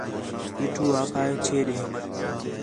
پیٹھو آکھا ہے چھے ݙے